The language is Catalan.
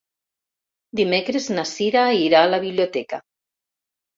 Dimecres na Cira irà a la biblioteca.